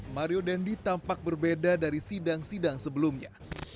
mario dendi tampak berbeda dari sidang sidang sebelumnya